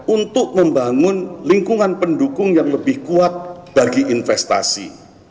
untuk membangun lingkungan pendukung yang lebih kuat bagi investasi